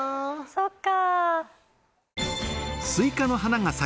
そっか。